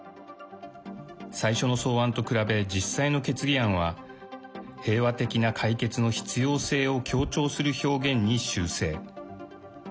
最初の草案と比べ実際の決議案は平和的な解決の必要性を強調する表現に修正。